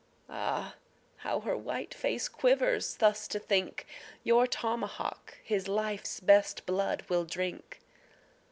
Ah, how her white face quivers thus to think, Your tomahawk his life's best blood will drink.